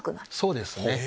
そうですね。